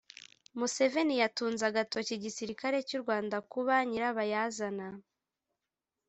museveni yatunze agatoki igisirikare cy’u rwanda kuba nyirabayazana